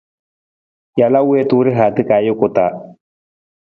Jalaa wiitu rihaata ka ajuku taa.